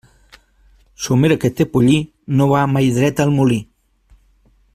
Somera que té pollí, no va mai dreta al molí.